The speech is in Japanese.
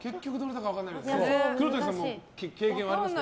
黒谷さんも経験ありますか？